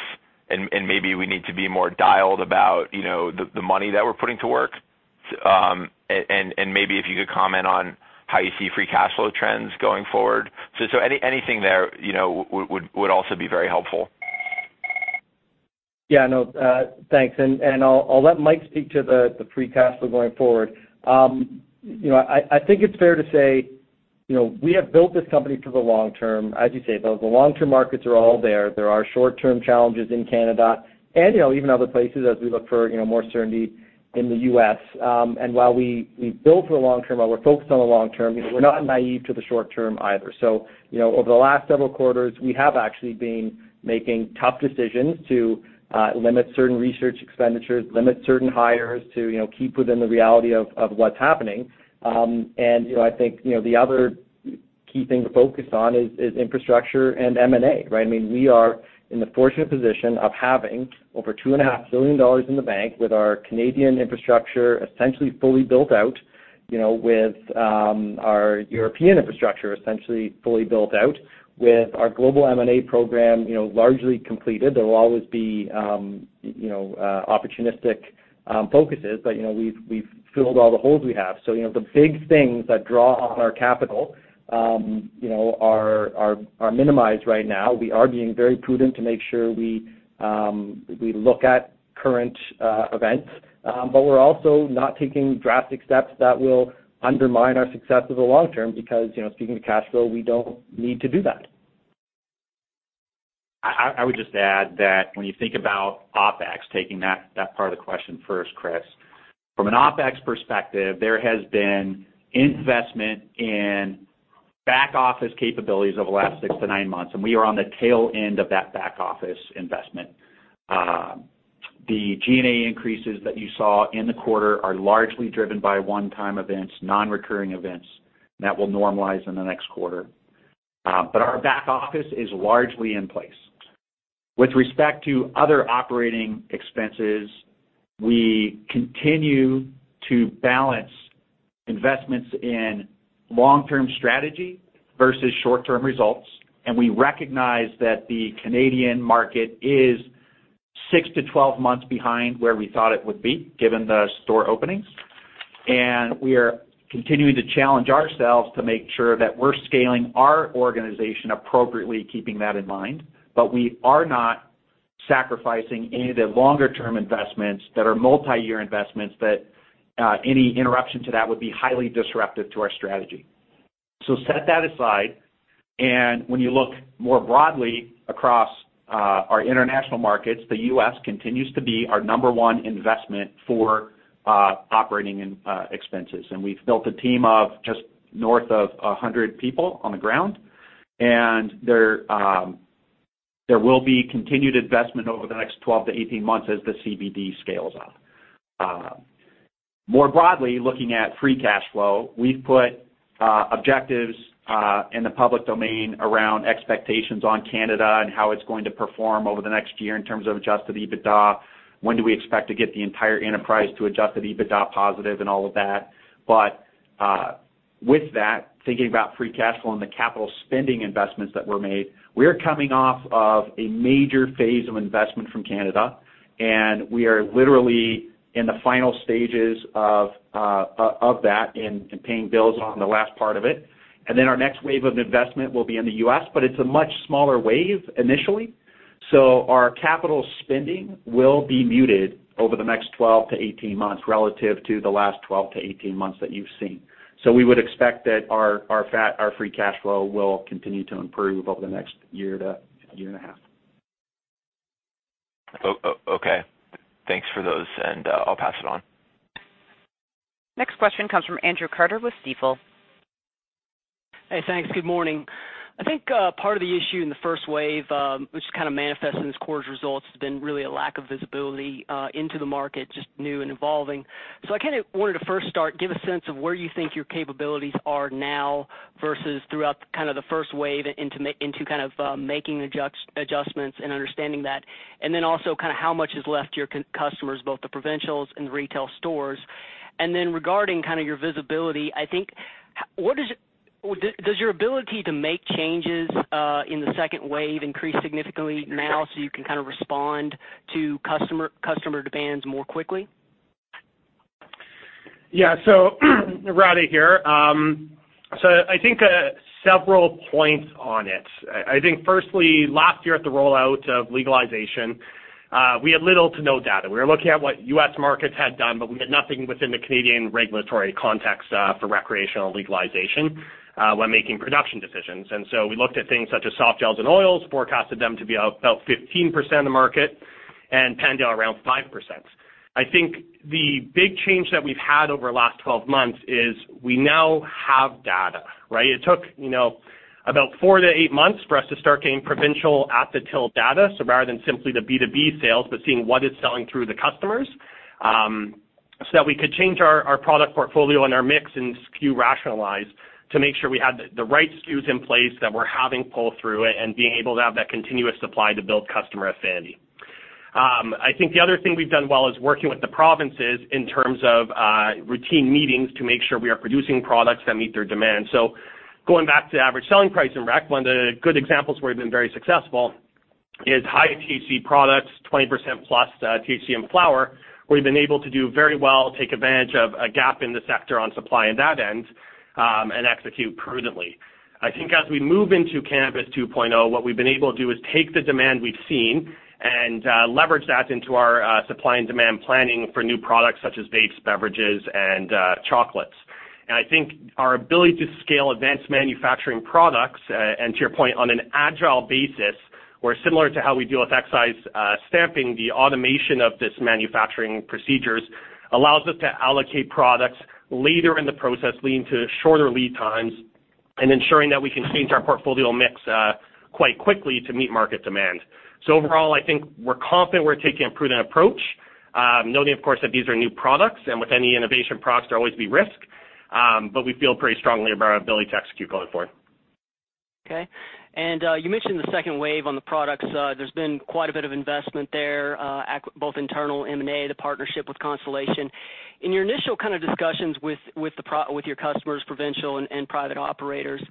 and maybe we need to be more dialed about the money that we're putting to work." Maybe if you could comment on how you see free cash flow trends going forward. Anything there would also be very helpful. Yeah, no. Thanks. I'll let Mike speak to the free cash flow going forward. I think it's fair to say we have built this company for the long term. As you say, the long-term markets are all there. There are short-term challenges in Canada and even other places as we look for more certainty in the U.S. While we build for the long term, while we're focused on the long term, we're not naive to the short term either. Over the last several quarters, we have actually been making tough decisions to limit certain research expenditures, limit certain hires to keep within the reality of what's happening. I think the other key thing to focus on is infrastructure and M&A, right? We are in the fortunate position of having over 2.5 billion dollars in the bank with our Canadian infrastructure essentially fully built out, with our European infrastructure essentially fully built out, with our global M&A program largely completed. There will always be opportunistic focuses, but we've filled all the holes we have. The big things that draw on our capital are minimized right now. We are being very prudent to make sure we look at current events. We're also not taking drastic steps that will undermine our success over the long term because, speaking of cash flow, we don't need to do that. I would just add that when you think about OpEx, taking that part of the question first, Chris. From an OpEx perspective, there has been investment in back-office capabilities over the last 6 to 9 months. We are on the tail end of that back-office investment. The G&A increases that you saw in the quarter are largely driven by one-time events, non-recurring events. That will normalize in the next quarter. Our back office is largely in place. With respect to other operating expenses, we continue to balance investments in long-term strategy versus short-term results. We recognize that the Canadian market is 6-12 months behind where we thought it would be, given the store openings. We are continuing to challenge ourselves to make sure that we're scaling our organization appropriately, keeping that in mind. We are not sacrificing any of the longer-term investments that are multi-year investments, that any interruption to that would be highly disruptive to our strategy. Set that aside, and when you look more broadly across our international markets, the U.S. continues to be our number one investment for operating expenses. We've built a team of just north of 100 people on the ground, and there will be continued investment over the next 12-18 months as the CBD scales up. More broadly, looking at free cash flow, we've put objectives in the public domain around expectations on Canada and how it's going to perform over the next year in terms of adjusted EBITDA, when do we expect to get the entire enterprise to adjusted EBITDA positive, and all of that. With that, thinking about free cash flow and the capital spending investments that were made, we are coming off of a major phase of investment from Canada, and we are literally in the final stages of that and paying bills on the last part of it. Our next wave of investment will be in the U.S., but it's a much smaller wave initially. Our capital spending will be muted over the next 12-18 months relative to the last 12-18 months that you've seen. We would expect that our free cash flow will continue to improve over the next year to year and a half. Okay. Thanks for those. I'll pass it on. Next question comes from Andrew Carter with Stifel. Hey, thanks. Good morning. I think part of the issue in the first wave, which kind of manifests in this quarter's results, has been really a lack of visibility into the market, just new and evolving. I kind of wanted to first start, give a sense of where you think your capabilities are now versus throughout the first wave into making adjustments and understanding that, and then also how much has left your customers, both the provincials and the retail stores. Regarding your visibility, I think, does your ability to make changes in the second wave increase significantly now so you can respond to customer demands more quickly? Yeah. Rade here. I think several points on it. I think firstly, last year at the rollout of legalization, we had little to no data. We were looking at what U.S. markets had done, but we had nothing within the Canadian regulatory context for recreational legalization when making production decisions. We looked at things such as softgels and oils, forecasted them to be about 15% of the market, and panned out around 5%. I think the big change that we've had over the last 12 months is we now have data, right? It took about four to eight months for us to start getting provincial at-the-till data, so rather than simply the B2B sales, but seeing what is selling through the customers, so that we could change our product portfolio and our mix and SKU rationalize to make sure we had the right SKUs in place that were having pull-through it and being able to have that continuous supply to build customer affinity. I think the other thing we've done well is working with the provinces in terms of routine meetings to make sure we are producing products that meet their demand. Going back to average selling price in Rec, one of the good examples where we've been very successful is high THC products, 20% plus THC in flower. We've been able to do very well, take advantage of a gap in the sector on supply in that end, and execute prudently. I think as we move into Cannabis 2.0, what we've been able to do is take the demand we've seen and leverage that into our supply and demand planning for new products such as vapes, beverages, and chocolates. I think our ability to scale advanced manufacturing products, and to your point, on an agile basis, where similar to how we deal with excise stamping, the automation of this manufacturing procedures allows us to allocate products later in the process, leading to shorter lead times and ensuring that we can change our portfolio mix quite quickly to meet market demand. Overall, I think we're confident we're taking a prudent approach, knowing of course that these are new products, and with any innovation products there will always be risk, but we feel pretty strongly about our ability to execute going forward. Okay. You mentioned the second wave on the products. There's been quite a bit of investment there, both internal M&A, the partnership with Constellation. In your initial kind of discussions with your customers, provincial and private operators,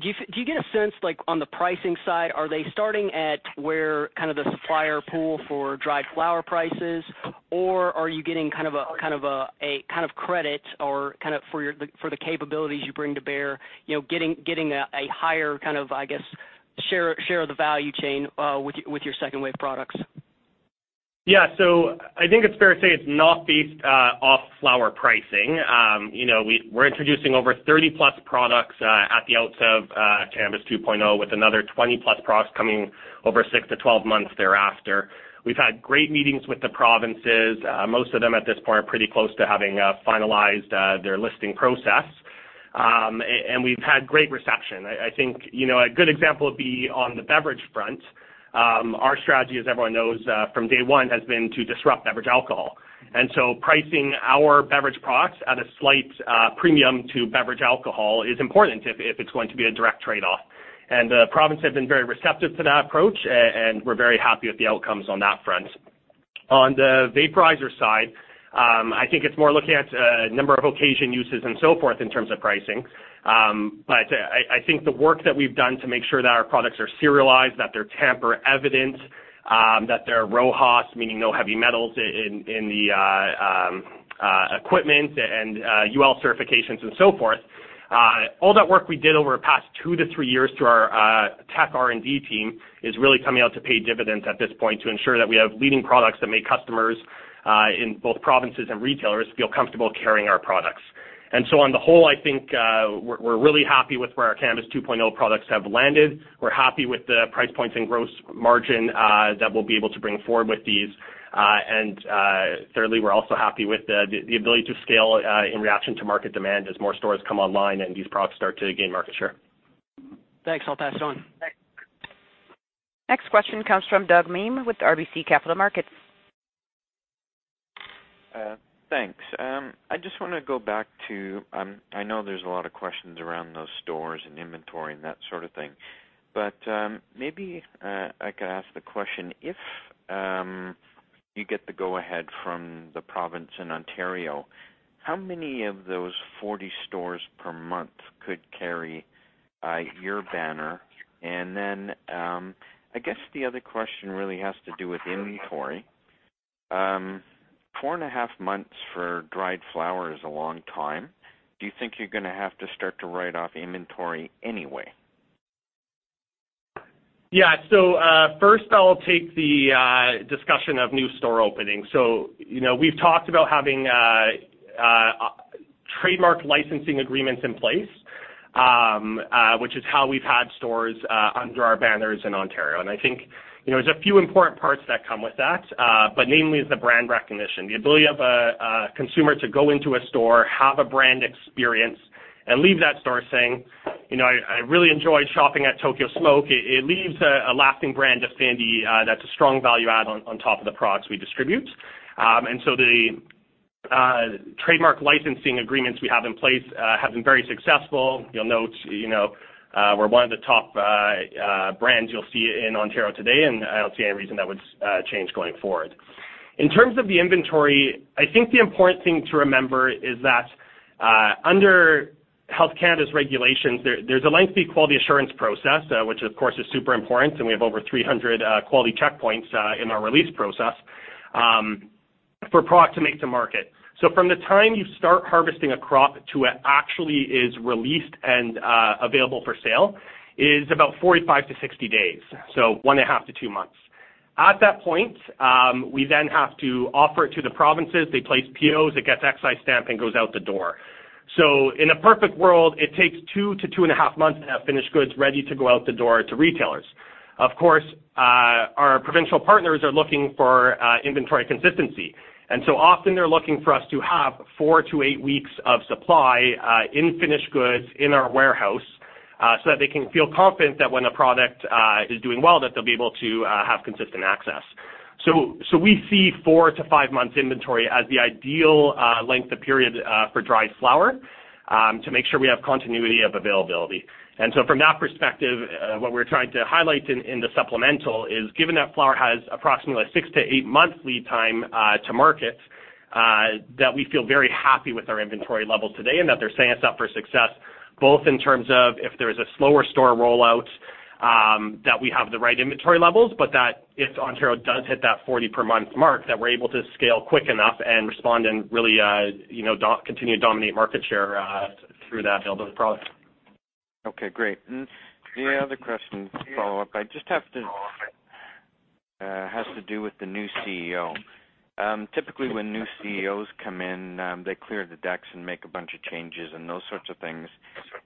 do you get a sense on the pricing side, are they starting at where the supplier pool for dried flower prices, or are you getting a kind of credit for the capabilities you bring to bear, getting a higher share of the value chain with your second wave products? Yeah. I think it's fair to say it's not based off flower pricing. We're introducing over 30 plus products at the outset of Cannabis 2.0 with another 20 plus products coming over 6-12 months thereafter. We've had great meetings with the provinces. Most of them at this point are pretty close to having finalized their listing process. We've had great reception. I think a good example would be on the beverage front. Our strategy, as everyone knows, from day one, has been to disrupt beverage alcohol. Pricing our beverage products at a slight premium to beverage alcohol is important if it's going to be a direct trade-off. The province has been very receptive to that approach, and we're very happy with the outcomes on that front. On the vaporizer side, I think it's more looking at number of occasion uses and so forth in terms of pricing. I think the work that we've done to make sure that our products are serialized, that they're tamper-evident, that they're RoHS, meaning no heavy metals in the equipment, and UL certifications and so forth. All that work we did over the past two to three years through our tech R&D team is really coming out to pay dividends at this point to ensure that we have leading products that make customers in both provinces and retailers feel comfortable carrying our products. On the whole, I think, we're really happy with where our Cannabis 2.0 products have landed. We're happy with the price points and gross margin that we'll be able to bring forward with these. Thirdly, we're also happy with the ability to scale in reaction to market demand as more stores come online and these products start to gain market share. Thanks. I'll pass it on. Next question comes from Doug Miehm with RBC Capital Markets. Thanks. I just want to go back to, I know there's a lot of questions around those stores and inventory and that sort of thing, but maybe I could ask the question, if you get the go-ahead from the province in Ontario, how many of those 40 stores per month could carry your banner? I guess the other question really has to do with inventory. Four and a half months for dried flower is a long time. Do you think you're going to have to start to write off inventory anyway? Yeah. First I'll take the discussion of new store openings. We've talked about having trademark licensing agreements in place, which is how we've had stores under our banners in Ontario. I think, there's a few important parts that come with that. Namely, is the brand recognition, the ability of a consumer to go into a store, have a brand experience, and leave that store saying, "I really enjoyed shopping at Tokyo Smoke." It leaves a lasting brand affinity that's a strong value add on top of the products we distribute. The trademark licensing agreements we have in place, have been very successful. You'll note, we're one of the top brands you'll see in Ontario today, and I don't see any reason that would change going forward. In terms of the inventory, I think the important thing to remember is that under Health Canada's regulations, there's a lengthy quality assurance process, which of course, is super important, and we have over 300 quality checkpoints in our release process for a product to make to market. From the time you start harvesting a crop to it actually is released and available for sale is about 45-60 days. 1.5-2 months. At that point, we then have to offer it to the provinces. They place POs, it gets excise stamp and goes out the door. In a perfect world, it takes 2-2.5 months to have finished goods ready to go out the door to retailers. Of course, our provincial partners are looking for inventory consistency, and so often they're looking for us to have four to eight weeks of supply in finished goods in our warehouse, so that they can feel confident that when a product is doing well, that they'll be able to have consistent access. We see four to five months inventory as the ideal length of period for dried flower, to make sure we have continuity of availability. From that perspective, what we're trying to highlight in the supplemental is given that flower has approximately six to eight months lead time to market, that we feel very happy with our inventory levels today and that they're saying it's up for success, both in terms of if there's a slower store rollout, that we have the right inventory levels. That if Ontario does hit that 40 per month mark, that we're able to scale quick enough and respond and really continue to dominate market share through that build of the product. Okay, great. It has to do with the new CEO. Typically, when new CEOs come in, they clear the decks and make a bunch of changes and those sorts of things.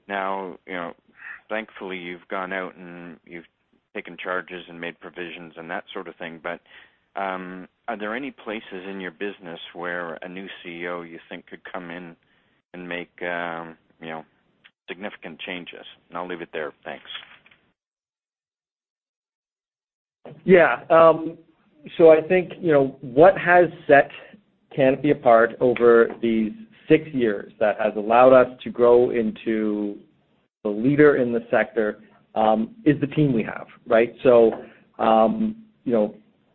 Now, thankfully, you've gone out and you've taken charges and made provisions and that sort of thing. Are there any places in your business where a new CEO, you think could come in and make significant changes? I'll leave it there. Thanks. Yeah. I think what has set Canopy apart over these six years that has allowed us to grow into the leader in the sector, is the team we have, right?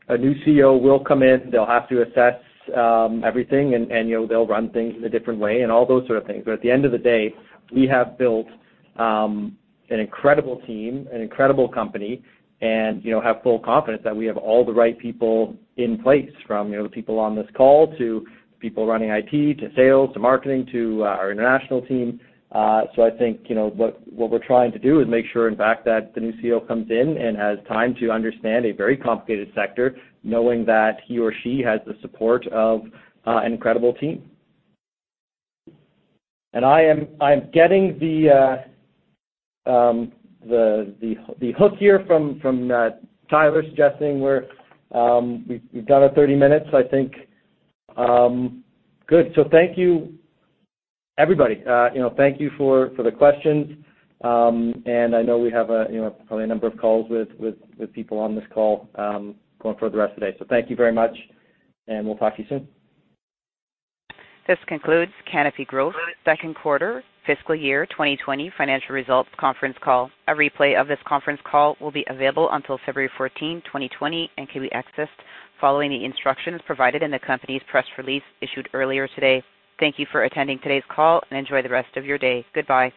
A new CEO will come in, they'll have to assess everything and they'll run things in a different way and all those sort of things. At the end of the day, we have built an incredible team, an incredible company, and have full confidence that we have all the right people in place from the people on this call to people running IT, to sales, to marketing, to our international team. I think what we're trying to do is make sure in fact that the new CEO comes in and has time to understand a very complicated sector, knowing that he or she has the support of an incredible team. I am getting the hook here from Tyler suggesting we've done our 30 minutes, I think. Good. Thank you, everybody. Thank you for the questions. I know we have probably a number of calls with people on this call going for the rest of the day. Thank you very much, and we'll talk to you soon. This concludes Canopy Growth Second Quarter Fiscal Year 2020 Financial Results Conference Call. A replay of this conference call will be available until February 14, 2020, and can be accessed following the instructions provided in the company's press release issued earlier today. Thank you for attending today's call, and enjoy the rest of your day. Goodbye.